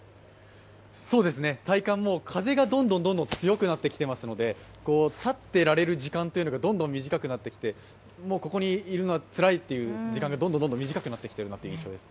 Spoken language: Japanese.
体感も風がどんどん強くなってきていますので立ってられる時間がどんどん短くなってきてここにいるのはつらいという時間がどんどん短くなっているなという印象です。